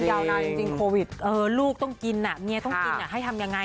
แล้วก็ต้องกินบังเงียต้องกินแคะให้ทำยังไง